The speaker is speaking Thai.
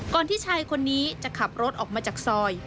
ที่ชายคนนี้จะขับรถออกมาจากซอย